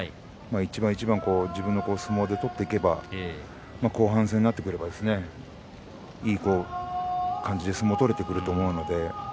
一番一番自分の相撲を取っていけば後半戦になっていい感じで相撲になってくると思います。